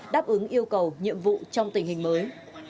đáp ứng yêu cầu nhiệm vụ trong tình hình mới